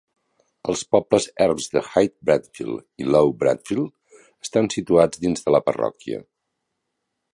Els pobles erms de High Bradfield i Low Bradfield estan situats dins de la parròquia.